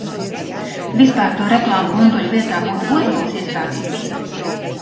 Vispār to reklāmu bunduļu vietā būtu ozolus iestādījuši.